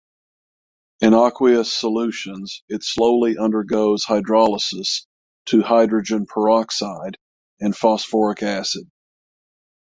In aqueous solutions it slowly undergoes hydrolysis to hydrogen peroxide and phosphoric acid.